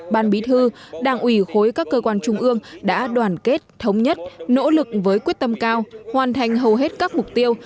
ban bí thư đảng ủy khối các cơ quan trung ương đã đoàn kết thống nhất nỗ lực với quyết tâm cao hoàn thành hầu hết các mục tiêu